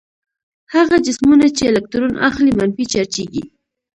هغه جسمونه چې الکترون اخلي منفي چارجیږي.